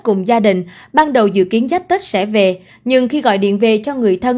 cùng gia đình ban đầu dự kiến giáp tết sẽ về nhưng khi gọi điện về cho người thân